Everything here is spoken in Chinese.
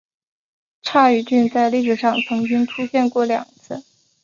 刈羽郡在历史上曾经出现过两次。